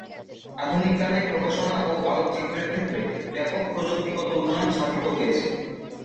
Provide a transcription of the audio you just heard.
আধুনিককালে প্রকাশনা ও আলোকচিত্রের ক্ষেত্রে ব্যাপক প্রযুক্তিগত উন্নয়ন সাধিত হয়েছে।